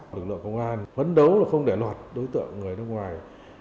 đồng đội công an vấn đấu không để loạt đối tượng người nước ngoài